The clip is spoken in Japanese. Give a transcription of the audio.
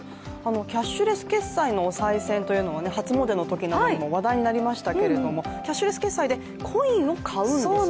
キャッシュレス決済のおさい銭というのも初詣のときに話題になりましたけれどもキャッシュレス決済でコインを買うんですね。